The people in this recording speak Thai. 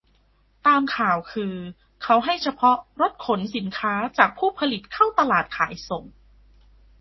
ตามข่าวคือ เขาให้เฉพาะรถขนสินค้าจากผู้ผลิตเข้าตลาดขายส่ง